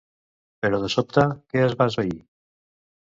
Però de sobte, què es va esvair?